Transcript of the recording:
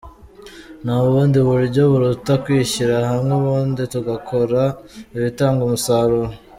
Nta bundi buryo buruta kwishyira hamwe ubundi tugakora ibitanga umusaruro.